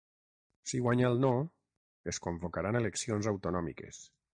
Si guanya el no, es convocaran eleccions autonòmiques.